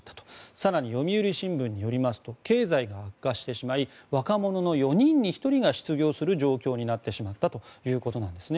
更に読売新聞によりますと経済が悪化してしまい若者の４人に１人が失業する状況になってしまったということなんです。